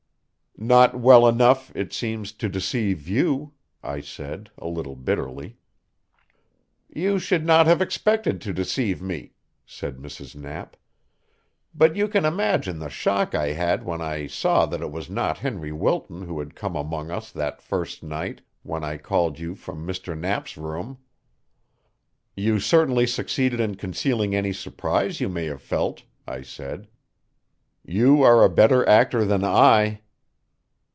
"Not well enough, it seems, to deceive you," I said, a little bitterly. "You should not have expected to deceive me," said Mrs. Knapp. "But you can imagine the shock I had when I saw that it was not Henry Wilton who had come among us that first night when I called you from Mr. Knapp's room." "You certainly succeeded in concealing any surprise you may have felt," I said. "You are a better actor than I."